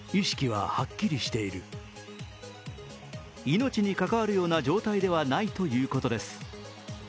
命に関わるような状態ではないということです。